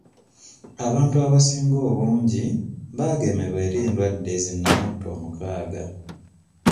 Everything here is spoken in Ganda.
Abantu abasinga obungi baagemebwa eri endwadde zi nnamutta omukaaga.